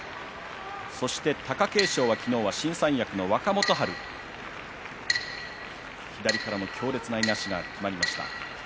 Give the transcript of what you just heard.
そして貴景勝は、昨日は新三役の若元春左からの強烈ないなしがきまりました。